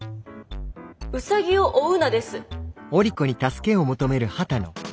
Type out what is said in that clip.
「ウサギを追うな」です。